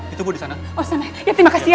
itu bu di sana oh sana ya terima kasih ya